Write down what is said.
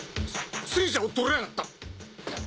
戦車を取りやがった！